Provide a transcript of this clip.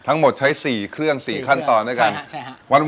ทั้งหมดใช้สี่เครื่องสี่ขั้นตอนด้วยกันใช่ฮะใช่ฮะ